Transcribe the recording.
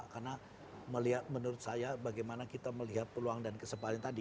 karena menurut saya bagaimana kita melihat peluang dan kesempatan tadi